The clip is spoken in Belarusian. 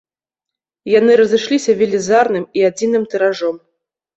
Яны разышліся велізарным і адзіным тыражом.